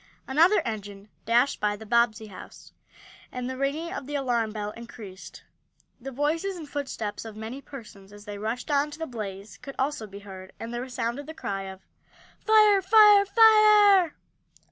Another engine dashed by the Bobbsey house, and the ringing of the alarm bell increased. The voices and footsteps of many persons, as they rushed on to the blaze, could also be heard, and there resounded the cry of: "Fire! Fire! Fire!"